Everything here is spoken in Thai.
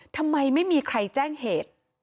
ทำไมไม่มีใครแจ้งเหตุ